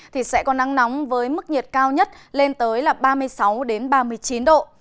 thì sẽ có nắng nóng với mức nhiệt cao nhất lên tới ba mươi sáu ba mươi chín độ